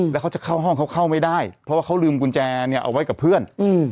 แล้วเขาจะเข้าห้องเขาเข้าไม่ได้เพราะว่าเขาลืมกุญแจเนี่ยเอาไว้กับเพื่อน